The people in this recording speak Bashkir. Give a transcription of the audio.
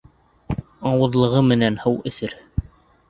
Ауыҙлығы менән һыу эсер;